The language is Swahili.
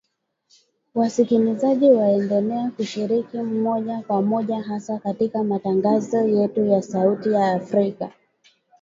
Wasikilizaji waendelea kushiriki moja kwa moja hasa katika matangazo yetu ya sauti ya Afrika